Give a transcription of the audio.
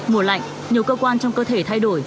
mùa lạnh nhiều cơ quan trong cơ thể thay đổi